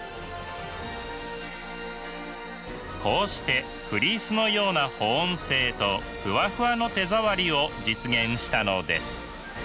こうしてフリースのような保温性とふわふわの手触りを実現したのです。